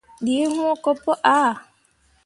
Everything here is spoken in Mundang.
Ɗii wũũ ko pu aa.